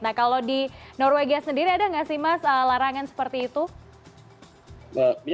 nah kalau di norwegia sendiri ada nggak sih mas larangan seperti itu